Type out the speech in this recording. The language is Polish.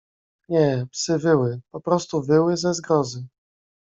"Nie, psy wyły, poprostu wyły ze zgrozy."